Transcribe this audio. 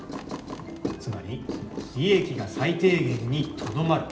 つまり利益が最低限にとどまる。